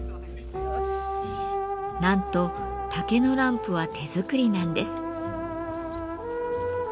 なんと竹のランプは手作りなんです。